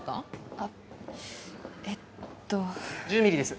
あっえっと１０ミリです